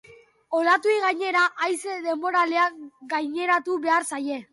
Olatuei, gainera, haize denboralea gaineratu behar zaie.